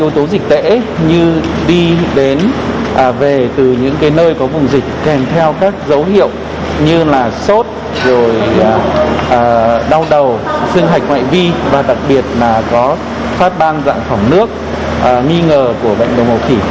từ những nơi có vùng dịch kèm theo các dấu hiệu như là sốt đau đầu xương hạch ngoại vi và đặc biệt là có khát ban dạng phỏng nước nghi ngờ của bệnh đậu mùa khỉ